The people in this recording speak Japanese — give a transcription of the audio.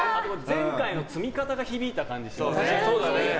前回の積み方が響いた感じがしますね。